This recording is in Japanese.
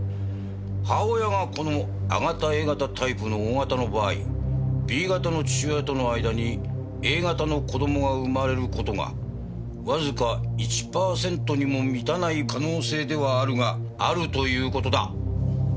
母親がこの亜型Ａ型タイプのＯ型の場合Ｂ型の父親との間にＡ型の子供が生まれる事がわずか１パーセントにも満たない可能性ではあるがあるという事だ。